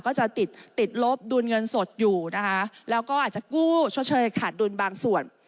ก็จะติดติดลบดุลเงินสดอยู่นะคะแล้วก็อาจจะกู้ชดเชยขาดดุลบางส่วน